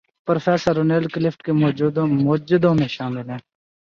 Professor Roland Clift کے موجدوں میں شامل ہیں۔